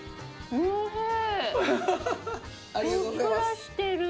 おいしい！